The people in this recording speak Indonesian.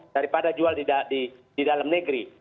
daripada jual di dalam negeri